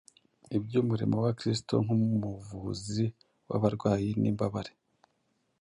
iby’umurimo wa Kristo nk’umuvuzi w’abarwayi n’imbabare,